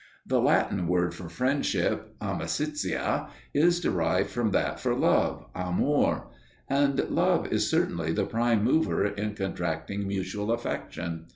The Latin word for friendship amicitia is derived from that for love amor; and love is certainly the prime mover in contracting mutual affection.